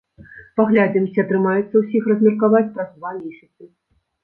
Паглядзім, ці атрымаецца ўсіх размеркаваць праз два месяцы.